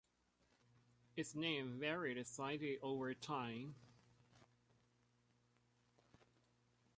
Its name varied slightly over time.